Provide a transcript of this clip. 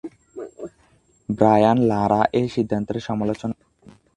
Brian Lara এ সিদ্ধান্তের সমালোচনা করেন।